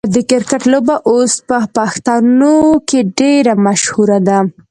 د کرکټ لوبه اوس په پښتنو کې ډیره مشهوره ده.